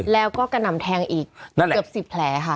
แล้วก็กระหน่ำแทงอีกเกือบ๑๐แผลค่ะ